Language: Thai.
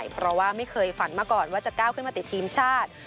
เพราะว่าไม่เคยฝันมาก่อนว่าจะก้าวขึ้นมาติดทีมชาติ